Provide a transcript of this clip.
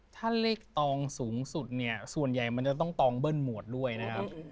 ถ้าเลขตองสูงสุดเนี่ยส่วนใหญ่มันจะต้องตองเบิ้ลหมวดด้วยนะครับ